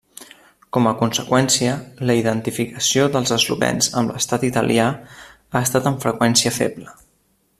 Com a conseqüència, la identificació dels eslovens amb l'Estat italià ha estat amb freqüència feble.